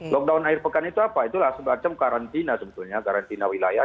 lockdown akhir pekan itu apa itulah sebuah carantina sebetulnya carantina wilayah